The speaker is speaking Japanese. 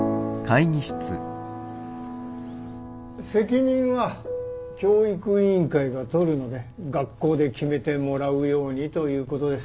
責任は教育委員会が取るので学校で決めてもらうようにということです。